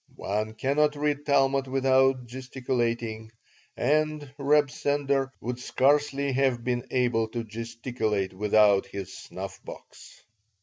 One cannot read Talmud without gesticulating, and Reb Sender would scarcely have been able to gesticulate without his snuff box.